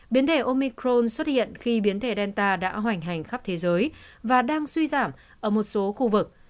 biến thể omicron xuất hiện khi biến thể delta đã hoành hành khắp thế giới và đang suy giảm ở một số khu vực